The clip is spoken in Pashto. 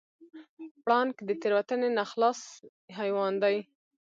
پړانګ د تېروتنې نه خلاص حیوان دی.